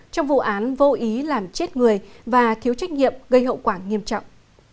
trong vụ án vô ý làm chết người và thiếu trách nhiệm gây hậu quả nghiêm trọng